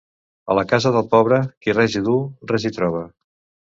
A la casa del pobre, qui res hi du, res hi troba.